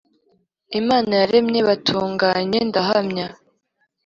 imana yaremye batunganye ndahamya